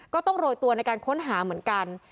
ก็ต้องโรยตัวในการค้นหาเหมือนกัน